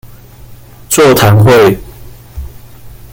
座談會